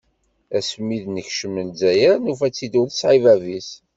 Ass mi d-nekcen Lezzayer, nufa-tt-id ur tesɛi bab-is.